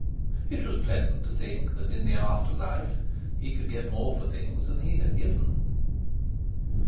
It was pleasant to think that in the after life he could get more for things than he had given.